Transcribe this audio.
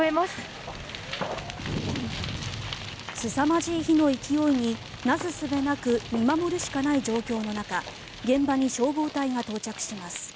すさまじい火の勢いになすすべなく見守るしかない状況の中現場に消防隊が到着します。